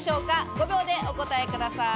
５秒でお答えください。